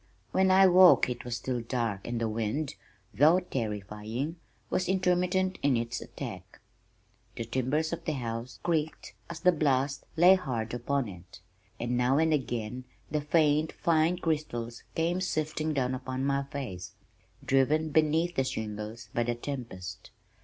When I woke it was still dark and the wind, though terrifying, was intermittent in its attack. The timbers of the house creaked as the blast lay hard upon it, and now and again the faint fine crystals came sifting down upon my face, driven beneath the shingles by the tempest.